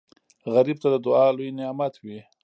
غریب ته دعا لوی نعمت وي